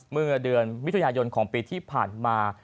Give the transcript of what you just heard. เมื่อเดือนมิถุนายนของปีที่ผ่านมา